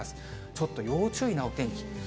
ちょっと要注意なお天気。